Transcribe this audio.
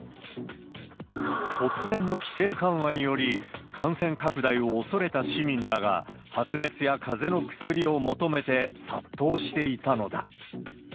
突然の規制緩和により、感染拡大を恐れた市民らが、発熱やかぜの薬を求めて殺到していたのだ。